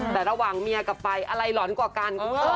แต่ระหว่างเมียกับไปอะไรหลอนกว่ากัน